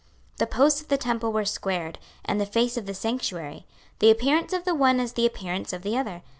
26:041:021 The posts of the temple were squared, and the face of the sanctuary; the appearance of the one as the appearance of the other.